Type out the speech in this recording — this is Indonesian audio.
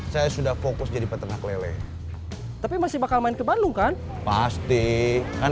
saya sudah fokus jadi peternak lele tapi masih bakal main ke bandung kan pasti kan